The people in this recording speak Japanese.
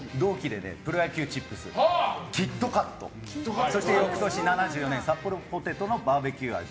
プロ野球チップスキットカット、そして翌年７４年サッポロポテトのバーベＱあじ。